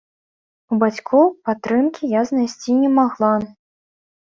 У бацькоў падтрымкі я знайсці не магла.